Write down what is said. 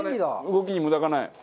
動きに無駄がない。